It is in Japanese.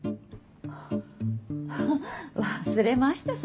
忘れました